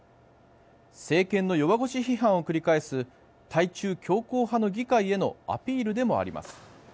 政権の弱腰批判を繰り返す対中強硬派の議会へのアピールでもあります。